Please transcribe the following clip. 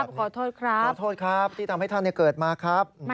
ขอโทษครับขอโทษครับที่ทำให้ท่านเกิดมาครับขอบคุณครับพูดกับลูกขอโทษครับ